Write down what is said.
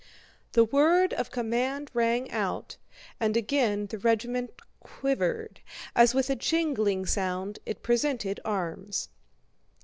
The word of command rang out, and again the regiment quivered, as with a jingling sound it presented arms.